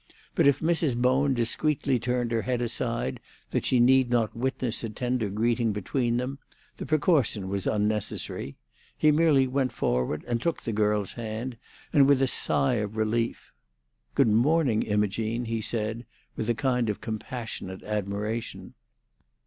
But if Mrs. Bowen discreetly turned her head aside that she need not witness a tender greeting between them, the precaution was unnecessary. He merely went forward and took the girl's hand, with a sigh of relief. "Good morning, Imogene," he said, with a kind of compassionate admiration.